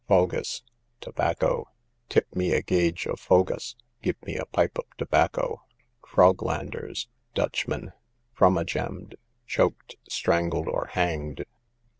Fogus, tobacco: tip me a gage of fogus; give me a pipe of tobacco. Froglanders, Dutchmen. Frummagemmed, choked, strangled, or hanged.